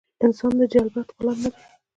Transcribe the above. انسان د جبلت غلام نۀ دے